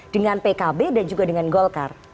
dengan pkb dan juga dengan golkar